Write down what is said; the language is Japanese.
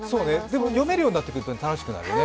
でも読めるようになってくると楽しくなるよね。